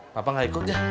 bapak gak ikut ya